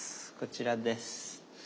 こちらです。